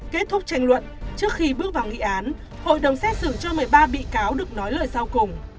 kết thúc tranh luận trước khi bước vào nghị án hội đồng xét xử cho một mươi ba bị cáo được nói lời sau cùng